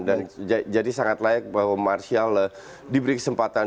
dan jadi sangat layak bahwa martial diberi kesempatan